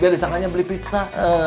biar disangkanya beli pizza